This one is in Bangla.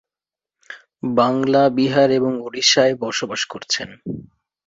বাংলা, বিহার এবং ওড়িশায় বসবাস করছেন।